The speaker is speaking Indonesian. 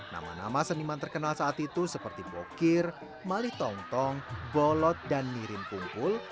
nama nama seniman terkenal saat itu seperti bokir malih tongtong bolot dan nirin kumpul